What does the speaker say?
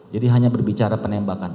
jadi hanya berbicara penembakan